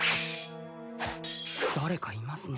だれかいますね。